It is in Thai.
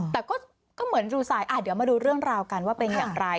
แต่ก็เหมือนรูไซดเดี๋ยวมาดูเรื่องราวกันว่าเป็นอย่างไร